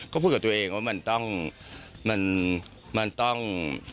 ก็พูดตัวเองว่ามันต้อง